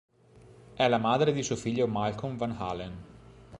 È la madre di suo figlio Malcolm Van Halen.